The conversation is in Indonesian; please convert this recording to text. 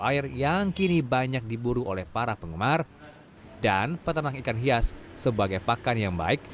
air yang kini banyak diburu oleh para penggemar dan peternak ikan hias sebagai pakan yang baik